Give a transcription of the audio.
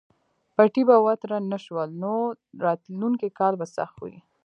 پټي به وتره نه شول نو راتلونکی کال به سخت وي.